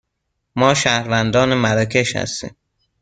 ما شهروندان مراکش هستیم.